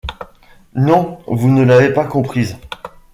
Non, vous ne l'avez pas comprise.